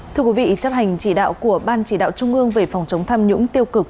thưa quý vị chấp hành chỉ đạo của ban chỉ đạo trung ương về phòng chống tham nhũng tiêu cực